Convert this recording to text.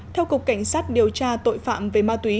theo cục cảnh sát điều tra tội phạm về ma túy